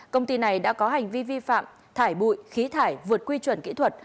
công ty này đã có hành vi vi phạm thải bụi khí thải vượt quy chuẩn kỹ thuật